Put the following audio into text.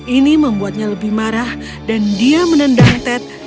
ini membuatnya lebih marah dan dia menendang ted